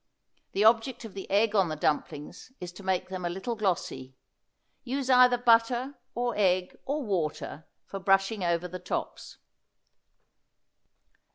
The object of the egg on the dumplings is to make them a little glossy. Use either butter, or egg, or water for brushing over the tops.